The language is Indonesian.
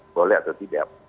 boleh atau tidak